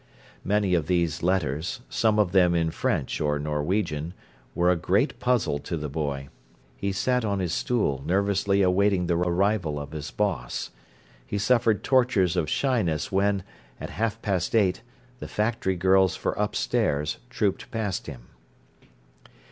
Many of these letters, some of them in French or Norwegian, were a great puzzle to the boy. He sat on his stool nervously awaiting the arrival of his "boss". He suffered tortures of shyness when, at half past eight, the factory girls for upstairs trooped past him.